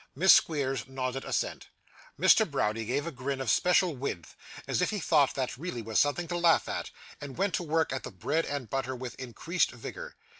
Miss Squeers nodded assent. Mr. Browdie gave a grin of special width, as if he thought that really was something to laugh at, and went to work at the bread and butter with increased vigour.